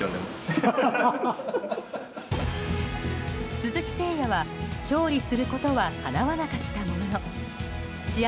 鈴木誠也は、勝利することはかなわなかったものの試合